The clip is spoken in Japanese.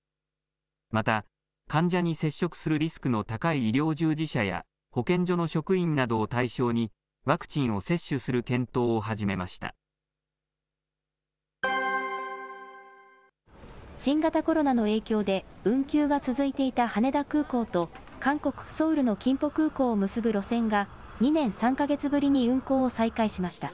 また、患者に接触するリスクの高い医療従事者や保健所の職員などを対象に、ワクチンを接種する検新型コロナの影響で、運休が続いていた羽田空港と韓国・ソウルのキンポ空港を結ぶ路線が、２年３か月ぶりに運航を再開しました。